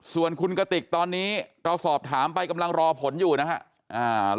ส่วนคุณกติกตอนนี้เราสอบถามไปกำลังรอผลอยู่นะครับ